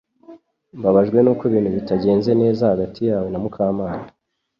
Mbabajwe nuko ibintu bitagenze neza hagati yawe na Mukamana